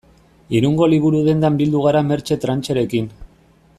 Irungo liburu-dendan bildu gara Mertxe Trancherekin.